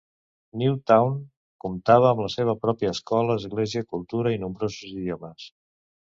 New Town comptava amb la seva pròpia escola, església, cultura i nombrosos idiomes.